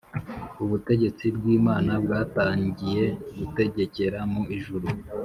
Ubutegetsi bw’Imana bwatangiye gutegekera mu ijuru